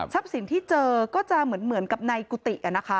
สินที่เจอก็จะเหมือนกับในกุฏิ